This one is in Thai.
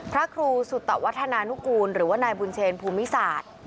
พระครูสุตวัฒนานุกูลหรือว่านายบุญเชนภูมิศาสตร์